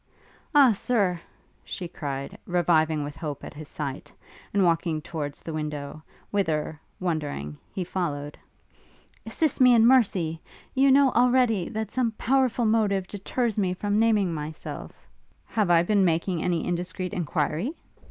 'Ah, Sir!' she cried, reviving with hope at his sight, and walking towards the window, whither, wondering, he followed, 'assist me in mercy! you know, already, that some powerful motive deters me from naming myself ' 'Have I been making any indiscreet enquiry?'